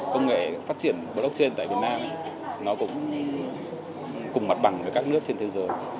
công nghệ phát triển blockchain tại việt nam nó cũng cùng mặt bằng với các nước trên thế giới